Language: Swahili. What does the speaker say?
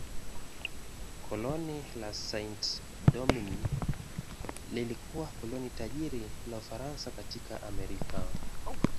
Koloni la Saint-Domingue lilikuwa koloni tajiri la Ufaransa katika Amerika.